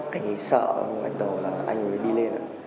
anh ấy sợ ngoài tờ là anh ấy đi lên ạ